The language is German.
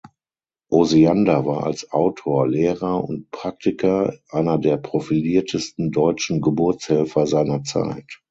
Osiander war als Autor, Lehrer und Praktiker einer der profiliertesten deutschen Geburtshelfer seiner Zeit.